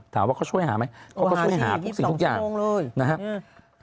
ถามว่าเขาช่วยหาไหมเขาก็ช่วยหาทุกสิ่งทุกอย่างเลยนะครับ